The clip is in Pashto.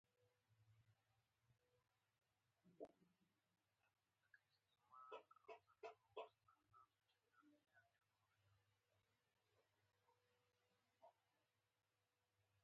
د ژبې پالنه د هر با احساسه انسان مسؤلیت دی.